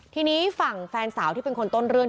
ทีนี้ฝั่งแฟนสาวที่เป็นคนต้นเรื่อง